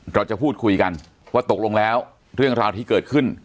เราจะพูดคุยกันว่าตกลงแล้วเรื่องราวที่เกิดขึ้น